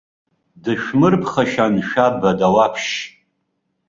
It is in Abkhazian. Дышәмырԥхашьан шәаб адауаԥшь!